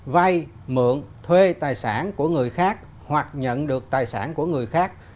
vay mượn thuê tài sản của người khác hoặc nhận được tài sản của người khác